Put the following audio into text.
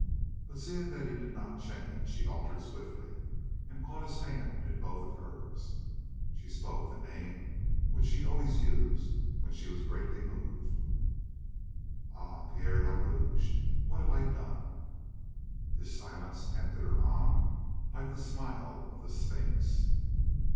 But seeing that he did not change she altered swiftly and caught his hand in both of hers. She spoke the name which she always used when she was greatly moved. "Ah, Pierre le Rouge, what have I done?" His silence tempted her on like the smile of the sphinx.